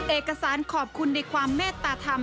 เอกสารขอบคุณในความเมตตาธรรม